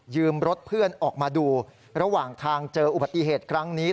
รถเพื่อนออกมาดูระหว่างทางเจออุบัติเหตุครั้งนี้